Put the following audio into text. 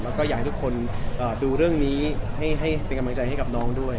แล้วก็อยากให้ทุกคนดูเรื่องนี้ให้เป็นกำลังใจให้กับน้องด้วย